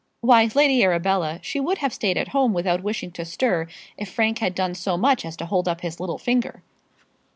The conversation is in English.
"Why, Lady Arabella, she would have stayed at home without wishing to stir if Frank had done so much as hold up his little finger."